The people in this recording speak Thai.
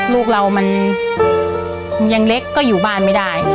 ลูกเรามันยังเล็กก็อยู่บ้านไม่ได้